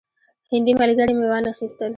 هندي ملګري مې وانه خیستل.